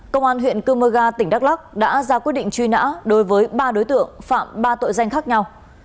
công an huyện cơ mơ ga tỉnh đắk lắc đã ra quyết định truy nã đối với ba đối tượng phạm ba tội danh khác nhau